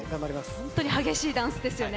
本当に激しいダンスですよね。